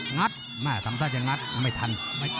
งัดสำหรับจะงัดไม่ทัน